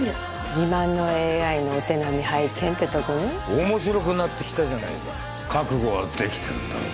自慢のＡＩのお手並み拝見ってとこね面白くなってきたじゃないか覚悟はできてるんだろうな